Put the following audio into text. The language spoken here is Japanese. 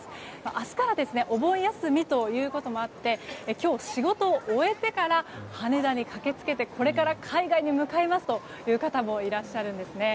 明日からお盆休みということもあって今日、仕事を終えてから羽田に駆けつけてこれから海外に向かいますという方もいらっしゃるんですね。